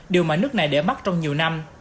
điều mà nước này để mắc trong nhiều năm